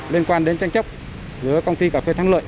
liên quan đến tranh chấp giữa công ty cà phê thắng lợi